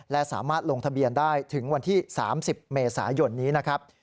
และสามารถลงทะเบียนได้ถึงวันที่๓๐เมษายนนี้นะครับ